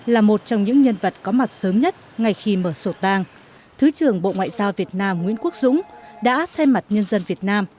là một trong những nhân vật có mặt sớm nhất ngay khi mở sổ tang thứ trưởng bộ ngoại giao việt nam nguyễn quốc dũng đã thay mặt nhân dân việt nam